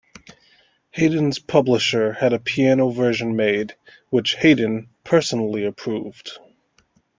Haydn's publisher had a piano version made, which Haydn personally approved.